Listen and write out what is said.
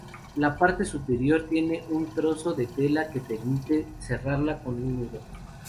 La parte superior tiene un trozo de tela que permite cerrarla con un nudo.